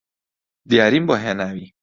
دیاریم بۆ هێناوی